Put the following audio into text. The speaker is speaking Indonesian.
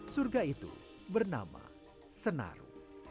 surga itu bernama senaru